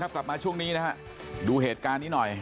กลับมาช่วงนี้นะฮะดูเหตุการณ์นี้หน่อย